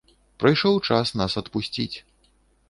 Прыйшоў час нас адпусціць.